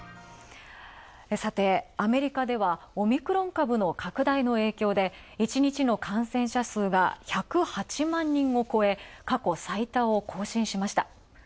さてアメリカではオミクロン株の拡大の影響で１日の感染者数が１０８万人を超え過去最多を更新しました。